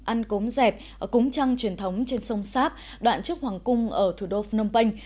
ăn cốm dẹp cúng trăng truyền thống trên sông sáp đoạn trước hoàng cung ở thủ đô phnom penh